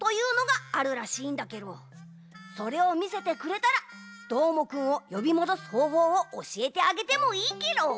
それをみせてくれたらどーもくんをよびもどすほうほうをおしえてあげてもいいケロ！